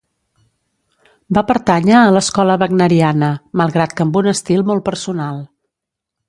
Va pertànyer a l'escola wagneriana, malgrat que amb un estil molt personal.